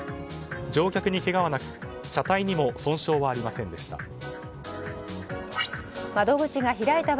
乗客にけがはなく車体にも損傷はありませんでした。